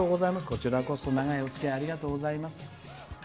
こちらこそ、長いおつきあいありがとうございます。